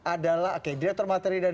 adalah oke direktur materi dan